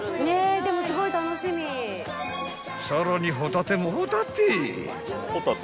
［さらにホタテもホタテ！］